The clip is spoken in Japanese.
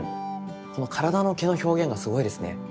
この体の毛の表現がすごいですね。